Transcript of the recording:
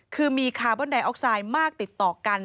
คือมีคาร์บอนไดออกไซด์มากติดต่อกัน